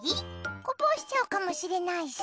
こぼしちゃうかもしれないし。